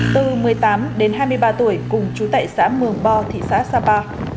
từ một mươi tám đến hai mươi ba tuổi cùng chú tệ xã mường bo thị xã sapa